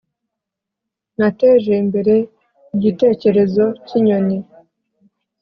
nateje imbere igitekerezo cyinyoni